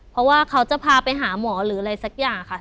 เพราะว่าเขาจะพาไปหาหมอหรืออะไรสักอย่างค่ะ